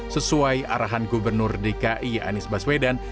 sesuai arahan gubernur dki anies baswedan